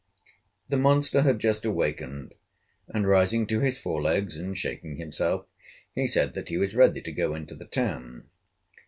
The monster had just awakened, and rising to his fore legs and shaking himself, he said that he was ready to go into the town.